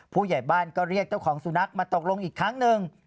ผู้ใหญ่บ้านก็เรียกเจ้าของสุนัขมาตกลงอีกครั้งหนึ่ง